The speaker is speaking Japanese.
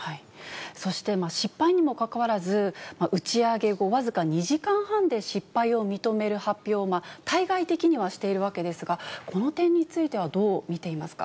そして失敗にもかかわらず、打ち上げ後、僅か２時間半で失敗を認める発表を、対外的にはしているわけですが、この点についてはどう見ていますか？